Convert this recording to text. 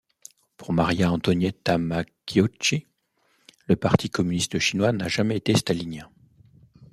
Pour Maria Antonietta Macciocchi le parti communiste chinois n'a jamais été stalinien.